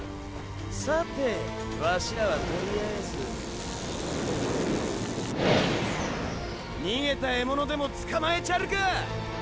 さてワシらはとりあえず逃げた獲物でも捕まえちゃるか！